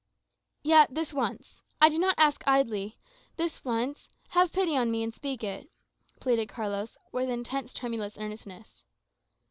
"Yet, this once. I do not ask idly this once have pity on me, and speak it," pleaded Carlos, with intense tremulous earnestness.